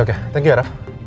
terima kasih rt